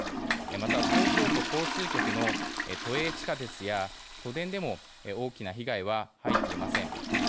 また東京都交通局の都営地下鉄や都電でも大きな被害は入っていません。